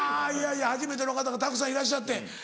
初めての方がたくさんいらっしゃって。